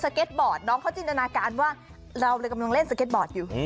เก็ตบอร์ดน้องเขาจินตนาการว่าเรากำลังเล่นสเก็ตบอร์ดอยู่